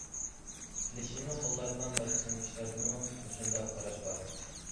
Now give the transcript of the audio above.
كېلىشىمنى قوللايدىغان بىر قىسىم كىشىلەردىمۇ مۇشۇنداق قاراش بار.